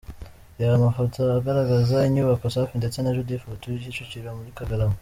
Reba amafoto agaraza inyubako Safi ndetse na Judith batuye Kicukiro muri Kagarama .